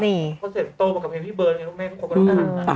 พอเสร็จโตมากับเพลงพี่เบิร์ตเนี่ยทุกแม่ทุกคนก็รู้จัก